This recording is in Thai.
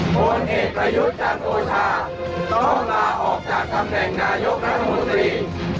ผลเอกประยุทธ์จันทร์โอชาต้องลาออกจากตำแหน่งนายกรัฐมนตรี